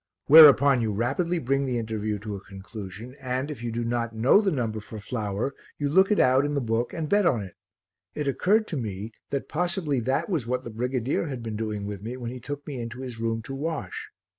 whereupon you rapidly bring the interview to a conclusion and, if you do not know the number for "flower," you look it out in the book and bet on it. It occurred to me that possibly that was what the brigadier had been doing with me when he took me into his room to wash.